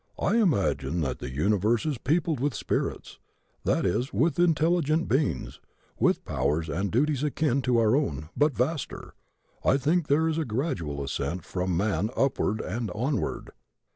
I imagine that the universe is peopled with spirits that is, with intelligent beings with powers and duties akin to our own, but vaster. I think there is a gradual ascent from man upward and onward."